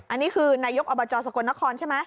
อันนี้คือนายกอบจสกลนครใช่ไหม